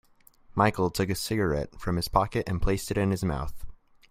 Michael took a cigarette from his pocket and placed it in his mouth.